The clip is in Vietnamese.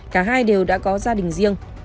cả hai đều đã có gia đình riêng